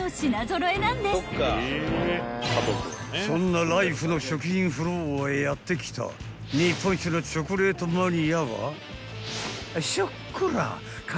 ［そんなライフの食品フロアへやって来た日本一のチョコレートマニアはショッコラ］